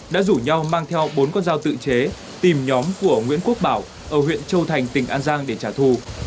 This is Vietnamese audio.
đã rủ nhau mang theo bốn con dao tự chế tìm nhóm của nguyễn quốc bảo ở huyện châu thành tỉnh an giang để trả thù